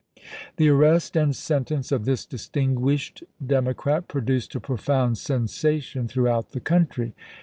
The arrest and sentence of this distinguished Democrat produced a profound sensation through out the country.